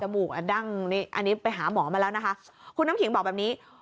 มูกอ่ะดั้งนี่อันนี้ไปหาหมอมาแล้วนะคะคุณน้ำขิงบอกแบบนี้